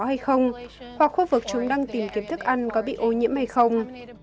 hay không hoặc khu vực chúng đang tìm kiếm thức ăn có bị ô nhiễm hay không